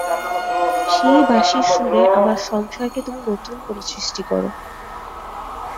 সেই বাঁশির সুরে আমার সংসারকে তুমি নতুন করে সৃষ্টি করো।